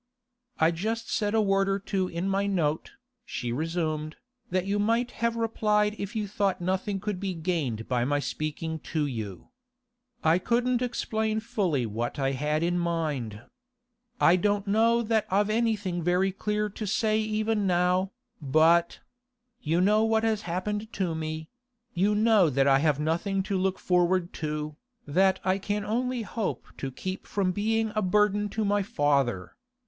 'I just said a word or two in my note,' she resumed, 'that you might have replied if you thought nothing could be gained by my speaking to you. I couldn't explain fully what I had in mind. I don't know that I've anything very clear to say even now, but—you know what has happened to me; you know that I have nothing to look forward to, that I can only hope to keep from being a burden to my father.